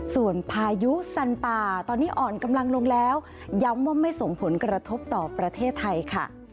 ส่วนพายุสันป่าตอนนี้อ่อนกำลังลงแล้วย้ำว่าไม่ส่งผลกระทบต่อประเทศไทยค่ะ